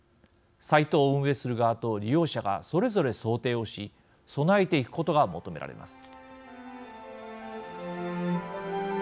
サイトを運営する側と利用者がそれぞれ想定をし備えていくことが求められます。